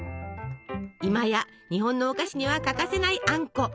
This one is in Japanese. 今や日本のお菓子には欠かせないあんこ。